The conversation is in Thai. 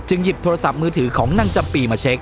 หยิบโทรศัพท์มือถือของนางจำปีมาเช็ค